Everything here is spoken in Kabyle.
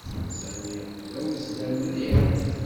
Sami d awezzlan mliḥ.